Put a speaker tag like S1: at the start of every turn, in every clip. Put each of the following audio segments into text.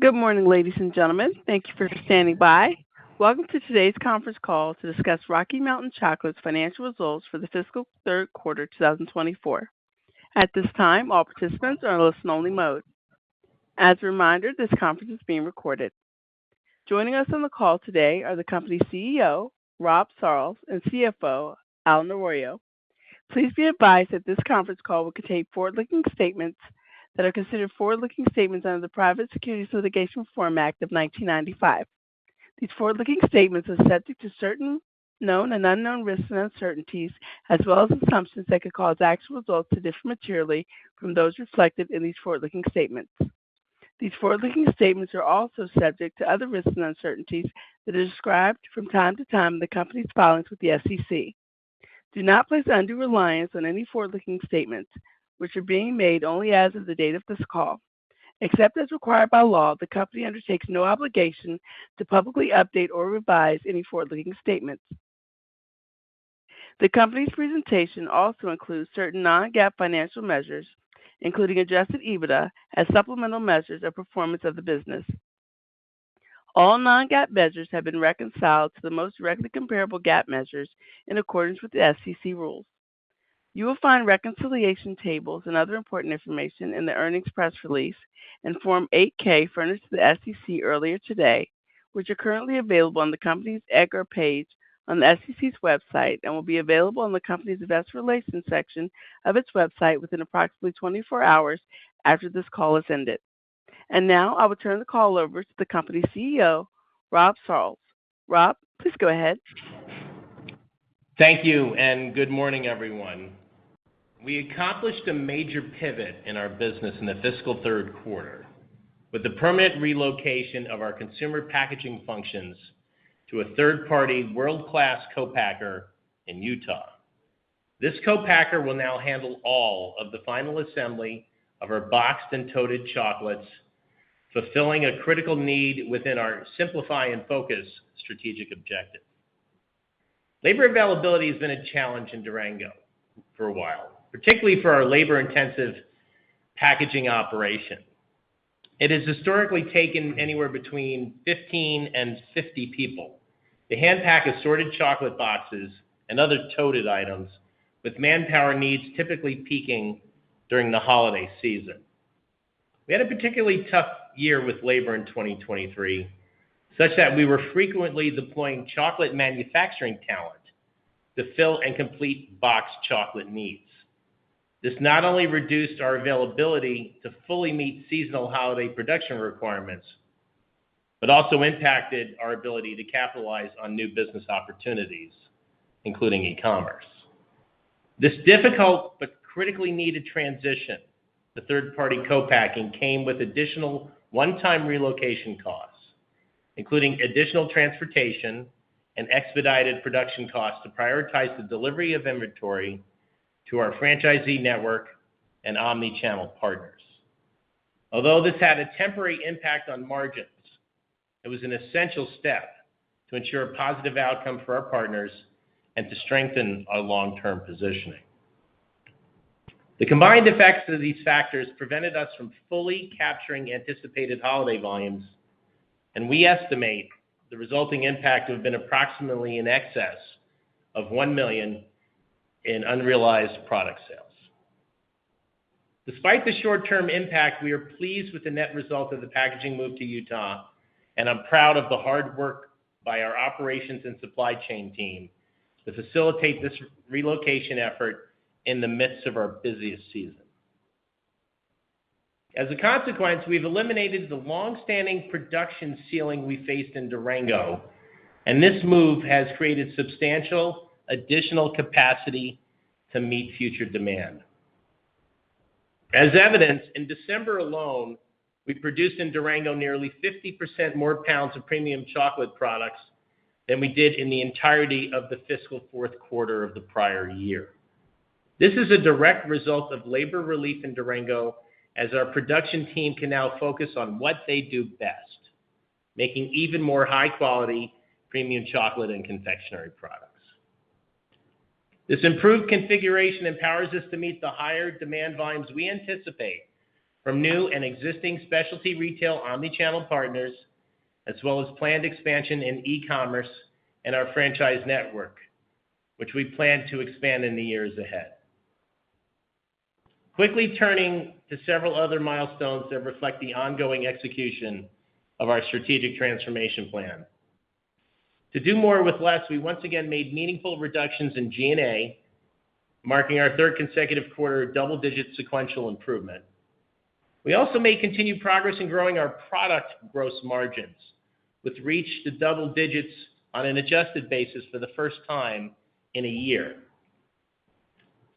S1: Good morning, ladies and gentlemen. Thank you for standing by. Welcome to today's conference call to discuss Rocky Mountain Chocolate's financial results for the fiscal third quarter, 2024. At this time, all participants are in listen-only mode. As a reminder, this conference is being recorded. Joining us on the call today are the company's CEO, Rob Sarlls, and CFO, Allen Arroyo. Please be advised that this conference call will contain forward-looking statements that are considered forward-looking statements under the Private Securities Litigation Reform Act of 1995. These forward-looking statements are subject to certain known and unknown risks and uncertainties, as well as assumptions that could cause actual results to differ materially from those reflected in these forward-looking statements. These forward-looking statements are also subject to other risks and uncertainties that are described from time to time in the company's filings with the SEC. Do not place undue reliance on any forward-looking statements, which are being made only as of the date of this call. Except as required by law, the company undertakes no obligation to publicly update or revise any forward-looking statements. The company's presentation also includes certain non-GAAP financial measures, including adjusted EBITDA, as supplemental measures of performance of the business. All non-GAAP measures have been reconciled to the most directly comparable GAAP measures in accordance with the SEC rules. You will find reconciliation tables and other important information in the earnings press release and Form 8-K furnished to the SEC earlier today, which are currently available on the company's EDGAR page on the SEC's website and will be available on the company's investor relations section of its website within approximately 24 hours after this call has ended. And now, I will turn the call over to the company's CEO, Rob Sarlls. Rob, please go ahead.
S2: Thank you, and good morning, everyone. We accomplished a major pivot in our business in the fiscal third quarter with the permanent relocation of our consumer packaging functions to a third-party world-class co-packer in Utah. This co-packer will now handle all of the final assembly of our boxed and toted chocolates, fulfilling a critical need within our Simplify and Focus strategic objective. Labor availability has been a challenge in Durango for a while, particularly for our labor-intensive packaging operation. It has historically taken anywhere between 15 and 50 people to hand pack assorted chocolate boxes and other toted items, with manpower needs typically peaking during the holiday season. We had a particularly tough year with labor in 2023, such that we were frequently deploying chocolate manufacturing talent to fill and complete boxed chocolate needs. This not only reduced our availability to fully meet seasonal holiday production requirements, but also impacted our ability to capitalize on new business opportunities, including e-commerce. This difficult but critically needed transition to third-party co-packing came with additional one-time relocation costs, including additional transportation and expedited production costs to prioritize the delivery of inventory to our franchisee network and omni-channel partners. Although this had a temporary impact on margins, it was an essential step to ensure a positive outcome for our partners and to strengthen our long-term positioning. The combined effects of these factors prevented us from fully capturing anticipated holiday volumes, and we estimate the resulting impact to have been approximately in excess of $1 million in unrealized product sales. Despite the short-term impact, we are pleased with the net result of the packaging move to Utah, and I'm proud of the hard work by our operations and supply chain team to facilitate this relocation effort in the midst of our busiest season. As a consequence, we've eliminated the long-standing production ceiling we faced in Durango, and this move has created substantial additional capacity to meet future demand. As evidenced, in December alone, we produced in Durango nearly 50% more pounds of premium chocolate products than we did in the entirety of the fiscal fourth quarter of the prior year. This is a direct result of labor relief in Durango, as our production team can now focus on what they do best: making even more high-quality, premium chocolate and confectionery products. This improved configuration empowers us to meet the higher demand volumes we anticipate from new and existing specialty retail omni-channel partners, as well as planned expansion in e-commerce and our franchise network, which we plan to expand in the years ahead. Quickly turning to several other milestones that reflect the ongoing execution of our strategic transformation plan. To do more with less, we once again made meaningful reductions in G&A, marking our third consecutive quarter of double-digit sequential improvement. We also made continued progress in growing our product gross margins, with reach to double digits on an adjusted basis for the first time in a year.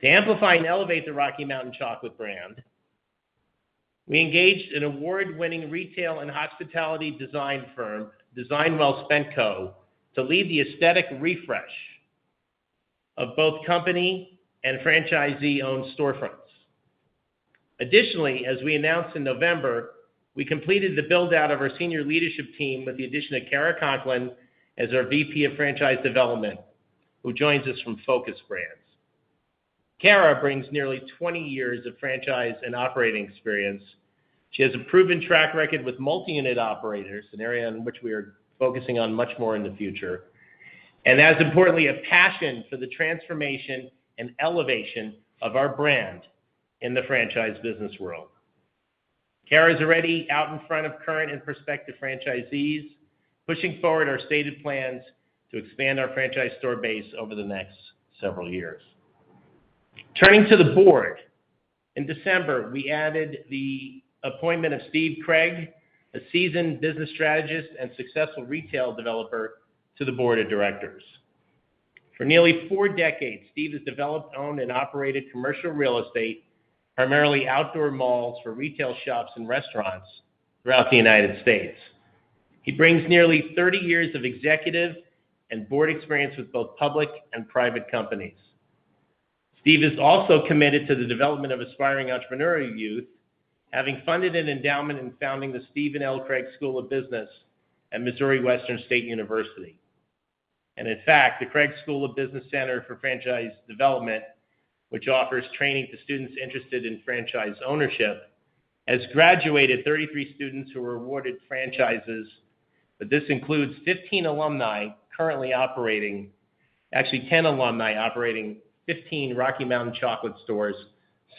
S2: To amplify and elevate the Rocky Mountain Chocolate brand, we engaged an award-winning retail and hospitality design firm, Design Well Spent Co., to lead the aesthetic refresh of both company and franchisee-owned storefronts. Additionally, as we announced in November, we completed the build-out of our senior leadership team with the addition of Kara Conklin as our VP of Franchise Development, who joins us from Focus Brands. Kara brings nearly 20 years of franchise and operating experience. She has a proven track record with multi-unit operators, an area in which we are focusing on much more in the future, and as importantly, a passion for the transformation and elevation of our brand in the franchise business world. Kara is already out in front of current and prospective franchisees, pushing forward our stated plans to expand our franchise store base over the next several years. Turning to the board, in December, we added the appointment of Steve Craig, a seasoned business strategist and successful retail developer, to the board of directors. For nearly four decades, Steve has developed, owned, and operated commercial real estate, primarily outdoor malls for retail shops and restaurants throughout the United States. He brings nearly thirty years of executive and board experience with both public and private companies. Steve is also committed to the development of aspiring entrepreneurial youth, having funded an endowment in founding the Steven L. Craig School of Business at Missouri Western State University. And in fact, the Craig School of Business Center for Franchise Development, which offers training to students interested in franchise ownership, has graduated 33 students who were awarded franchises, but this includes 15 alumni currently operating, actually, 10 alumni operating 15 Rocky Mountain Chocolate stores,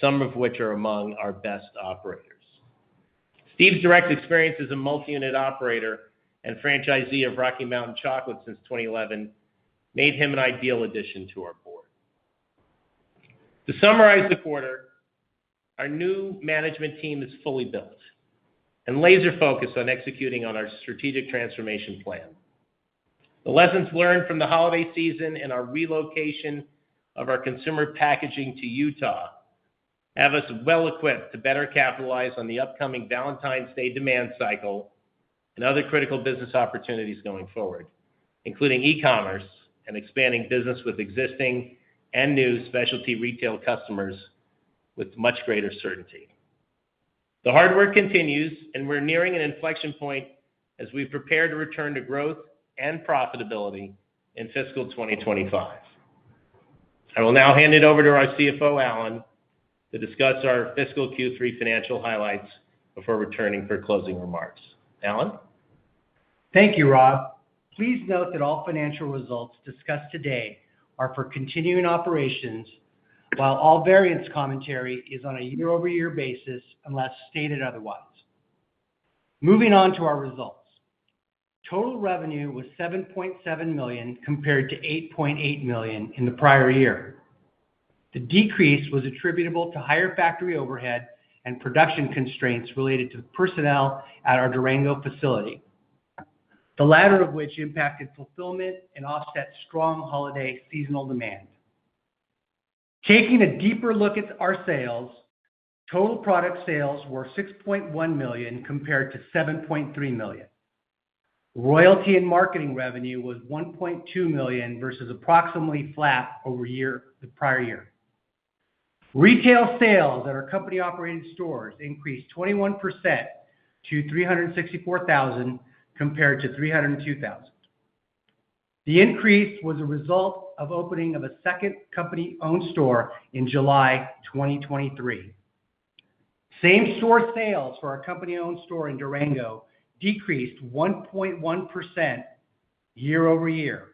S2: some of which are among our best operators. Steve's direct experience as a multi-unit operator and franchisee of Rocky Mountain Chocolate since 2011, made him an ideal addition to our board. To summarize the quarter, our new management team is fully built and laser-focused on executing on our strategic transformation plan. The lessons learned from the holiday season and our relocation of our consumer packaging to Utah, have us well equipped to better capitalize on the upcoming Valentine's Day demand cycle and other critical business opportunities going forward, including e-commerce and expanding business with existing and new specialty retail customers with much greater certainty. The hard work continues, and we're nearing an inflection point as we prepare to return to growth and profitability in fiscal 2025. I will now hand it over to our CFO, Allen, to discuss our fiscal Q3 financial highlights before returning for closing remarks. Allen?
S3: Thank you, Rob. Please note that all financial results discussed today are for continuing operations, while all variance commentary is on a year-over-year basis, unless stated otherwise. Moving on to our results. Total revenue was $7.7 million, compared to $8.8 million in the prior year. The decrease was attributable to higher factory overhead and production constraints related to personnel at our Durango facility, the latter of which impacted fulfillment and offset strong holiday seasonal demand. Taking a deeper look at our sales, total product sales were $6.1 million, compared to $7.3 million. Royalty and marketing revenue was $1.2 million, versus approximately flat over year, the prior year. Retail sales at our company-operated stores increased 21% to $364,000, compared to $302,000. The increase was a result of opening of a second company-owned store in July 2023. Same-store sales for our company-owned store in Durango decreased 1.1% year-over-year,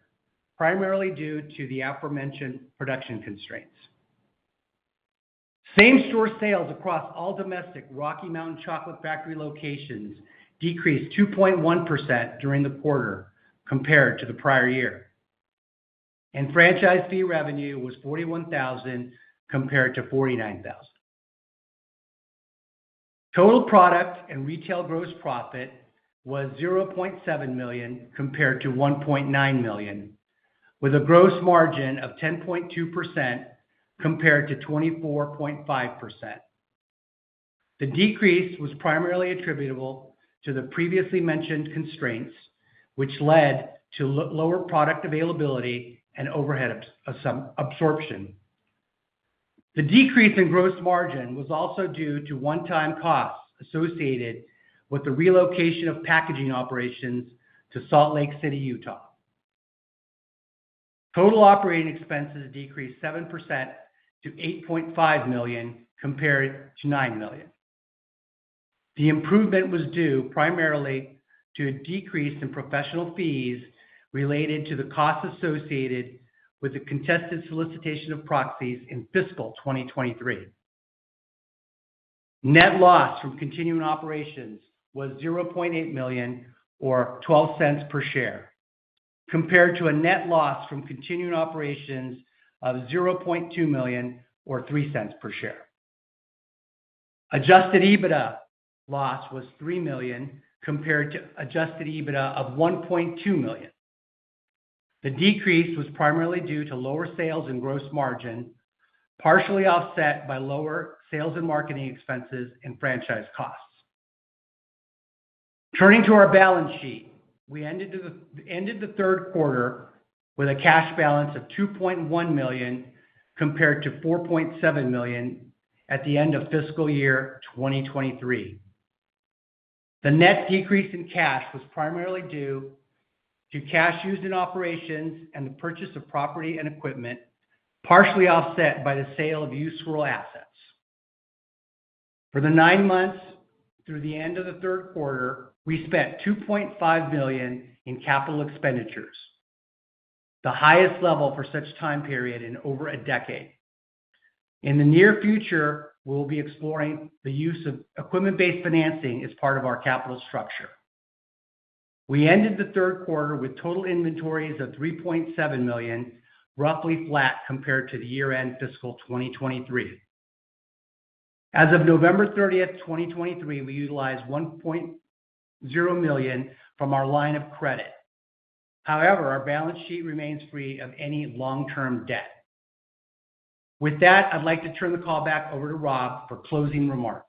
S3: primarily due to the aforementioned production constraints. Same-store sales across all domestic Rocky Mountain Chocolate Factory locations decreased 2.1% during the quarter compared to the prior year. Franchise fee revenue was $41,000 compared to $49,000. Total product and retail gross profit was $0.7 million, compared to $1.9 million, with a gross margin of 10.2%, compared to 24.5%. The decrease was primarily attributable to the previously mentioned constraints, which led to lower product availability and overhead absorption. The decrease in gross margin was also due to one-time costs associated with the relocation of packaging operations to Salt Lake City, Utah. Total operating expenses decreased 7% to $8.5 million, compared to $9 million. The improvement was due primarily to a decrease in professional fees related to the costs associated with the contested solicitation of proxies in fiscal 2023. Net loss from continuing operations was $0.8 million, or $0.12 per share, compared to a net loss from continuing operations of $0.2 million, or $0.03 per share. Adjusted EBITDA loss was $3 million, compared to adjusted EBITDA of $1.2 million. The decrease was primarily due to lower sales and gross margin, partially offset by lower sales and marketing expenses and franchise costs. Turning to our balance sheet, we ended the third quarter with a cash balance of $2.1 million, compared to $4.7 million at the end of fiscal year 2023. The net decrease in cash was primarily due to cash used in operations and the purchase of property and equipment, partially offset by the sale of useful assets. For the nine months through the end of the third quarter, we spent $2.5 million in capital expenditures, the highest level for such time period in over a decade. In the near future, we'll be exploring the use of equipment-based financing as part of our capital structure. We ended the third quarter with total inventories of $3.7 million, roughly flat compared to the year-end fiscal 2023. As of November 30, 2023, we utilized $1.0 million from our line of credit. However, our balance sheet remains free of any long-term debt. With that, I'd like to turn the call back over to Rob for closing remarks.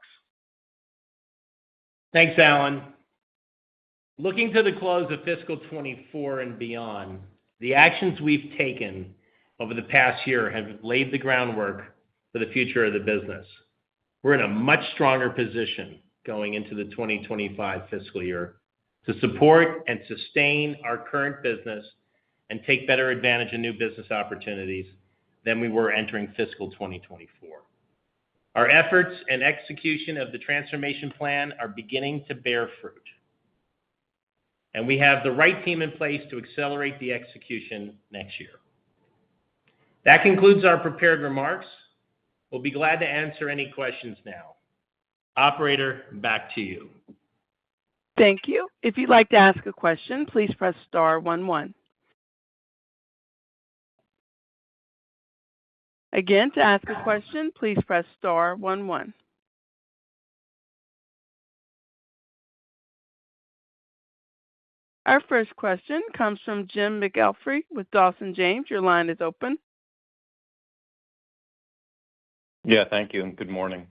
S2: Thanks, Allen. Looking to the close of fiscal 2024 and beyond, the actions we've taken over the past year have laid the groundwork for the future of the business. We're in a much stronger position going into the 2025 fiscal year to support and sustain our current business and take better advantage of new business opportunities than we were entering fiscal 2024. Our efforts and execution of the transformation plan are beginning to bear fruit, and we have the right team in place to accelerate the execution next year. That concludes our prepared remarks. We'll be glad to answer any questions now. Operator, back to you.
S1: Thank you. If you'd like to ask a question, please press star one, one. Again, to ask a question, please press star one, one. Our first question comes from Jim McIlree with Dawson James. Your line is open.
S4: Yeah, thank you, and good morning.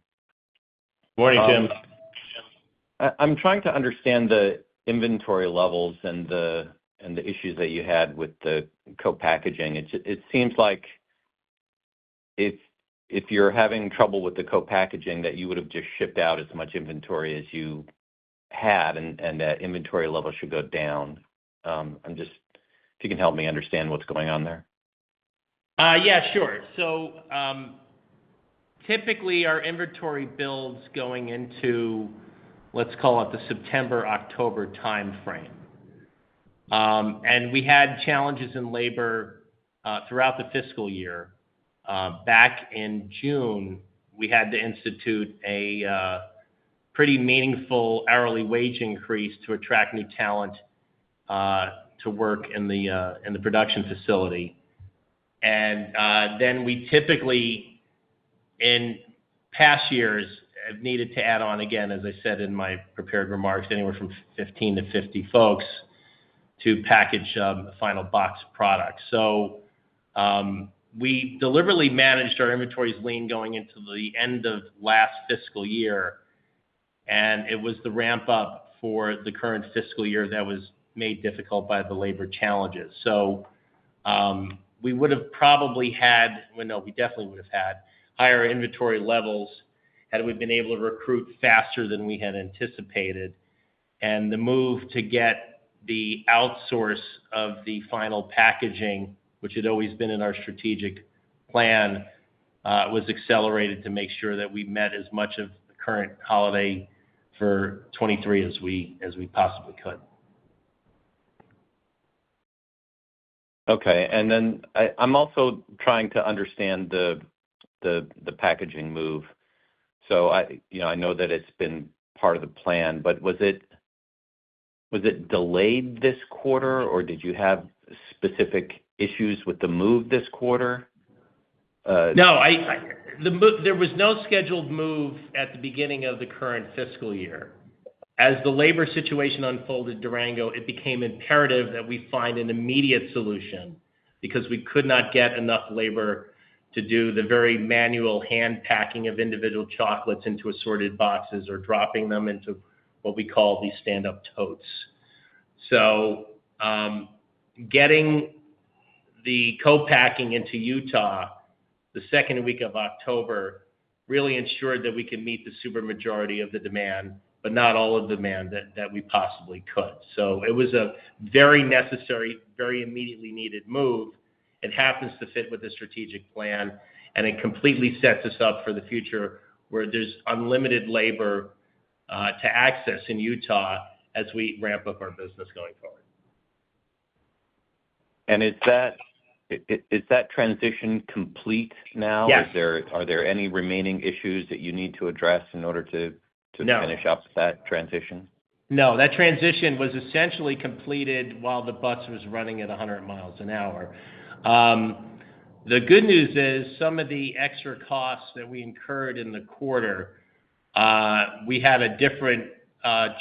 S2: Morning, Jim.
S4: I'm trying to understand the inventory levels and the issues that you had with the co-packaging. It seems like if you're having trouble with the co-packaging, that you would have just shipped out as much inventory as you had, and that inventory level should go down. I'm just... If you can help me understand what's going on there.
S2: Yeah, sure. So, typically our inventory builds going into, let's call it, the September-October time frame. And we had challenges in labor throughout the fiscal year. Back in June, we had to institute a pretty meaningful hourly wage increase to attract new talent to work in the production facility. And then we typically, in past years, have needed to add on, again, as I said in my prepared remarks, anywhere from 15-50 folks to package the final box product. So, we deliberately managed our inventories lean going into the end of last fiscal year, and it was the ramp-up for the current fiscal year that was made difficult by the labor challenges. So, we definitely would have had higher inventory levels had we been able to recruit faster than we had anticipated. And the move to get the outsource of the final packaging, which had always been in our strategic plan, was accelerated to make sure that we met as much of the current holiday for 2023 as we possibly could.
S4: Okay. Then I'm also trying to understand the packaging move. So you know, I know that it's been part of the plan, but was it delayed this quarter, or did you have specific issues with the move this quarter?
S2: No, I. The move, there was no scheduled move at the beginning of the current fiscal year. As the labor situation unfolded in Durango, it became imperative that we find an immediate solution because we could not get enough labor to do the very manual hand packing of individual chocolates into assorted boxes or dropping them into what we call the stand-up totes. So, getting the co-packing into Utah the second week of October, really ensured that we can meet the super majority of the demand, but not all of the demand that we possibly could. So it was a very necessary, very immediately needed move. It happens to fit with the strategic plan, and it completely sets us up for the future, where there's unlimited labor to access in Utah as we ramp up our business going forward.
S4: Is that transition complete now?
S2: Yes.
S4: Are there any remaining issues that you need to address in order to-
S2: No...
S4: to finish up that transition?
S2: No, that transition was essentially completed while the bus was running at 100 miles an hour. The good news is, some of the extra costs that we incurred in the quarter, we had a different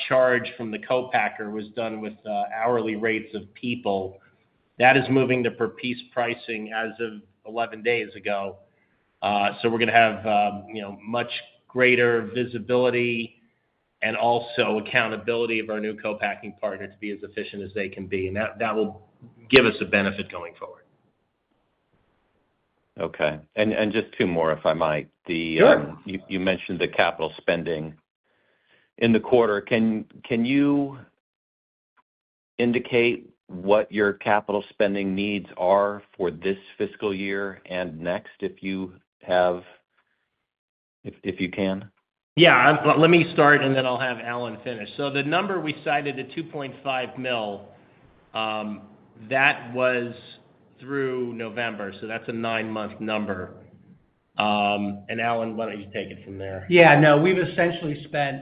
S2: charge from the co-packer, was done with hourly rates of people. That is moving to per piece pricing as of 11 days ago. So we're gonna have, you know, much greater visibility and also accountability of our new co-packing partner to be as efficient as they can be. And that, that will give us a benefit going forward.
S4: Okay. And just two more, if I might. The...
S2: Sure.
S4: You mentioned the capital spending in the quarter. Can you indicate what your capital spending needs are for this fiscal year and next, if you have—if you can?
S2: Yeah, let me start, and then I'll have Allen finish. So the number we cited, the $2.5 million, that was through November, so that's a nine-month number. And Allen, why don't you take it from there?
S3: Yeah, no, we've essentially spent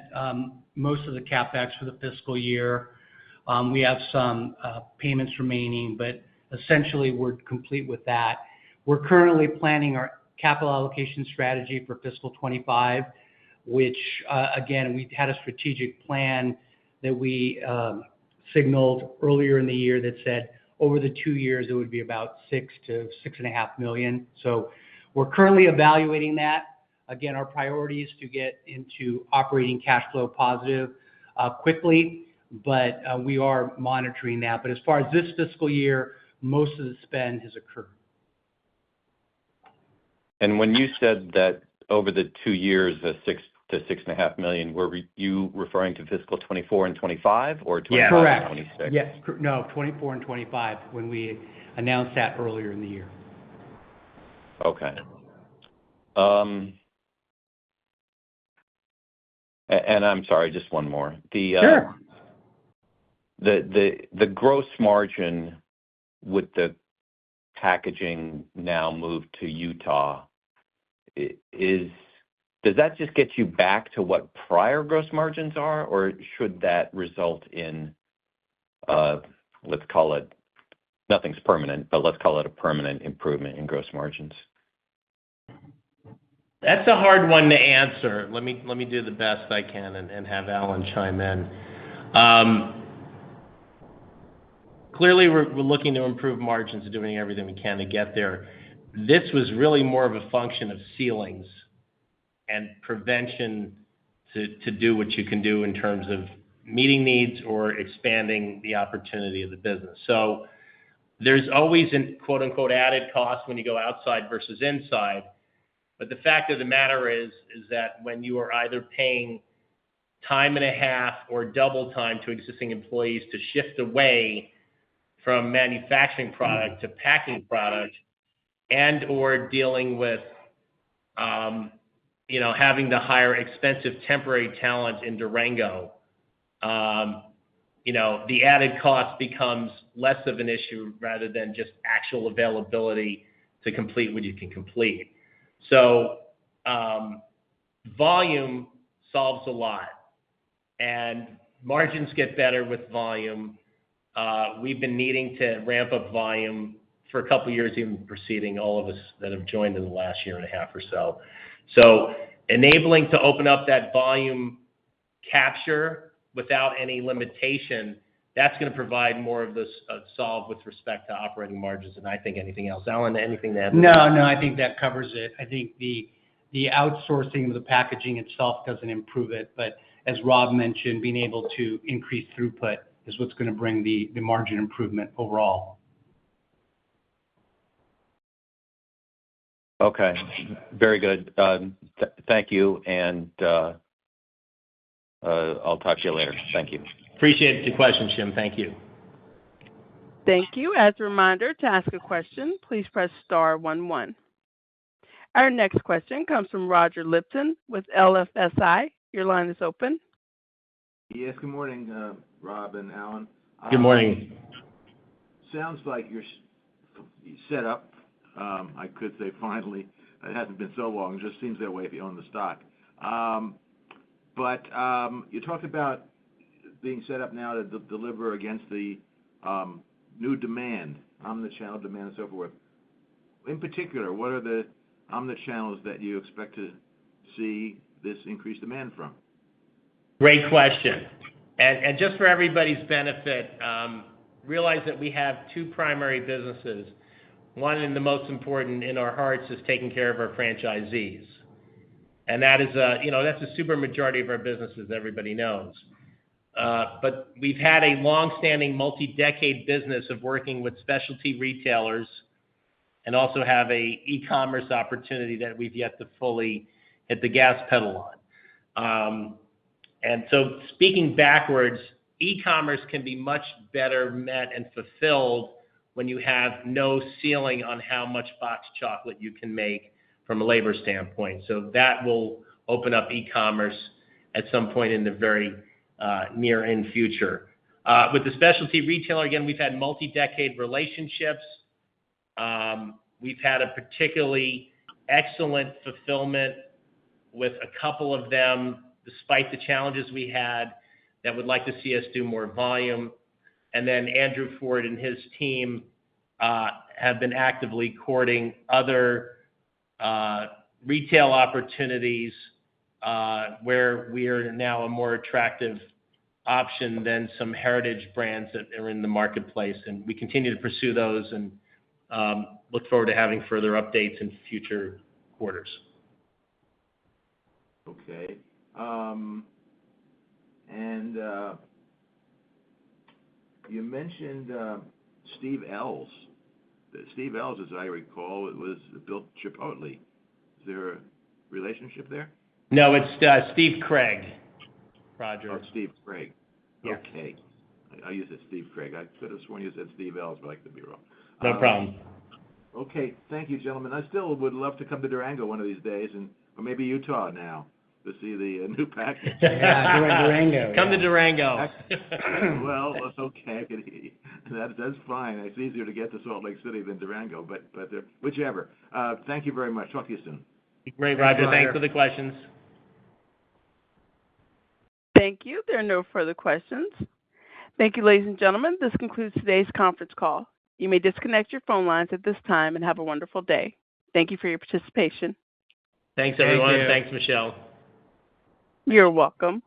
S3: most of the CapEx for the fiscal year. We have some payments remaining, but essentially, we're complete with that. We're currently planning our capital allocation strategy for fiscal 2025, which, again, we had a strategic plan that we signaled earlier in the year that said, over the two years, it would be about $6 million-$6.5 million. So we're currently evaluating that. Again, our priority is to get into operating cash flow positive quickly, but we are monitoring that. But as far as this fiscal year, most of the spend has occurred.
S4: When you said that over the two years, the $6 million-$6.5 million, were you referring to fiscal 2024 and 2025 or twenty...
S2: Yeah.
S3: Correct.
S4: Twenty-six?
S3: Yes. No, 2024 and 2025, when we announced that earlier in the year.
S4: Okay. I'm sorry, just one more.
S2: Sure.
S4: The gross margin with the packaging now moved to Utah, does that just get you back to what prior gross margins are? Or should that result in, let's call it... Nothing's permanent, but let's call it a permanent improvement in gross margins?
S2: That's a hard one to answer. Let me do the best I can and have Allen chime in. Clearly, we're looking to improve margins and doing everything we can to get there. This was really more of a function of ceilings and prevention to do what you can do in terms of meeting needs or expanding the opportunity of the business. So there's always a quote-unquote "added cost" when you go outside versus inside. But the fact of the matter is that when you are either paying time and a half or double time to existing employees to shift away from manufacturing product to packing product and/or dealing with, you know, having to hire expensive temporary talent in Durango, you know, the added cost becomes less of an issue rather than just actual availability to complete what you can complete. So, volume solves a lot, and margins get better with volume. We've been needing to ramp up volume for a couple of years, even preceding all of us that have joined in the last year and a half or so. So enabling to open up that volume capture without any limitation, that's gonna provide more of this solve with respect to operating margins than I think anything else. Allen, anything to add?
S3: No, no, I think that covers it. I think the outsourcing of the packaging itself doesn't improve it. But as Rob mentioned, being able to increase throughput is what's gonna bring the margin improvement overall.
S4: Okay, very good. Thank you, and I'll talk to you later. Thank you.
S2: Appreciate the question, Jim. Thank you.
S1: Thank you. As a reminder, to ask a question, please press star one, one. Our next question comes from Roger Lipton with LFSI. Your line is open.
S5: Yes, good morning, Rob and Allen.
S2: Good morning.
S5: Sounds like you're set up. I could say finally, it hasn't been so long. It just seems that way if you own the stock. But you talked about being set up now to deliver against the new demand, omni-channel demand and so forth. In particular, what are the omni-channels that you expect to see this increased demand from?
S2: Great question. And just for everybody's benefit, realize that we have two primary businesses. One, and the most important in our hearts, is taking care of our franchisees. And that is, you know, that's the super majority of our business, as everybody knows. But we've had a long-standing, multi-decade business of working with specialty retailers and also have a e-commerce opportunity that we've yet to fully hit the gas pedal on. And so speaking backwards, e-commerce can be much better met and fulfilled when you have no ceiling on how much boxed chocolate you can make from a labor standpoint. So that will open up e-commerce at some point in the very, near-end future. With the specialty retailer, again, we've had multi-decade relationships. We've had a particularly excellent fulfillment with a couple of them, despite the challenges we had, that would like to see us do more volume. And then Andrew Ford and his team have been actively courting other retail opportunities where we are now a more attractive option than some heritage brands that are in the marketplace, and we continue to pursue those and look forward to having further updates in future quarters.
S5: Okay. And you mentioned Steve Ells. Steve Ells, as I recall, built Chipotle. Is there a relationship there?
S2: No, it's Steve Craig, Roger.
S5: Oh, Steve Craig.
S2: Yeah.
S5: Okay. I confused it, Steve Craig. I could have sworn you said Steve Ells, but I could be wrong.
S2: No problem.
S5: Okay. Thank you, gentlemen. I still would love to come to Durango one of these days, and or maybe Utah now, to see the new package.
S3: Yeah, Durango.
S2: Come to Durango.
S5: Well, okay. That, that's fine. It's easier to get to Salt Lake City than Durango, but whichever. Thank you very much. Talk to you soon.
S2: Great, Roger. Thanks for the questions.
S1: Thank you. There are no further questions. Thank you, ladies and gentlemen. This concludes today's conference call. You may disconnect your phone lines at this time, and have a wonderful day. Thank you for your participation.
S2: Thanks, everyone.
S3: Thank you.
S2: Thanks, Michelle.
S1: You're welcome.